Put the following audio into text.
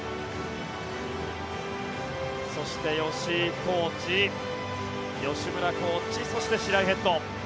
そして吉井コーチ吉村コーチそして、白井ヘッド。